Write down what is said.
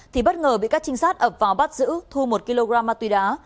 thì bất ngờ bị các trinh sát ập vào bắt giữ thu một kg ma túy đá